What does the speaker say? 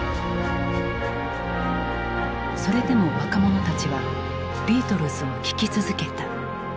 それでも若者たちはビートルズを聴き続けた。